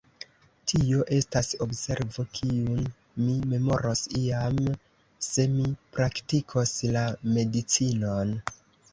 Tio estas observo, kiun mi memoros iam, se mi praktikos la medicinon.